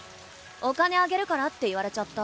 「お金あげるから」って言われちゃった。